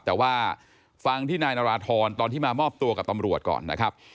แต่ว่าฟังที่นายนาราธรตอนที่มามอบตัวกับตำรวจก่อนนะครับ